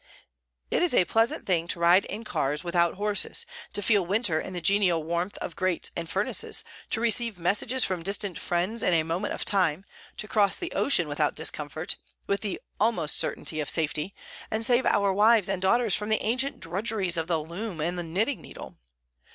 It is a pleasant thing to ride in "cars without horses," to feel in winter the genial warmth of grates and furnaces, to receive messages from distant friends in a moment of time, to cross the ocean without discomfort, with the "almost certainty" of safety, and save our wives and daughters from the ancient drudgeries of the loom and the knitting needle.